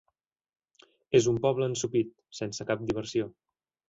És un poble ensopit, sense cap diversió.